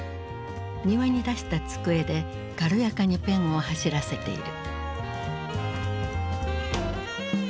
庭に出した机で軽やかにペンを走らせている。